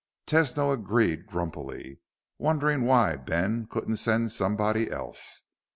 Tesno agreed grumpily, wondering why Ben couldn't send somebody else.